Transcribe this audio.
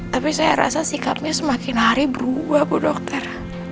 tapi saya rasa sikapnya semakin hari berubah bu dokter